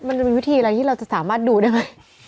มันจะเป็นวิธีอะไรที่เราจะสามารถดูได้ไหม